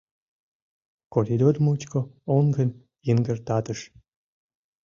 Коридор мучко оҥгыр йыҥгыртатыш.